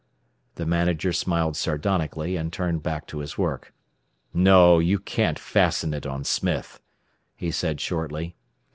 The manager smiled sardonically, and turned back to his work. "No; you can't fasten it on Smith," he said shortly.